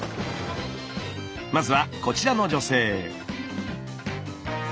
まずはこちらの女性。